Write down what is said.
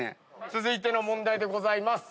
続いての問題でございます。